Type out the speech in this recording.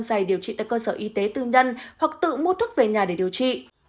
dày điều trị tại cơ sở y tế tư nhân hoặc tự mua thuốc về nhà để điều trị